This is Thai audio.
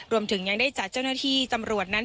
รวมถึงยังได้จัดเจ้าหน้าที่ตำรวจนั้น